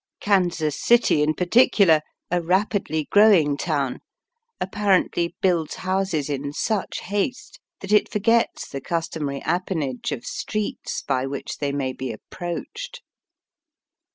Kansas City in particular, a rapidly growing town, apparently builds houses in such haste that it forgets the customary appanage of streets by which they may be approached.